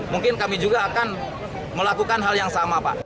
mungkin kami juga akan melakukan hal yang sama pak